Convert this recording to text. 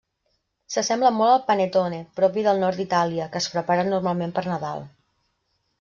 S'assembla molt al panettone, propi del nord d'Itàlia, que es prepara normalment per Nadal.